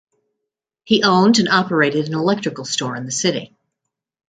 He owned and operated an electrical store in the city.